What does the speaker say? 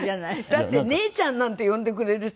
だって「姉ちゃん」なんて呼んでくれる人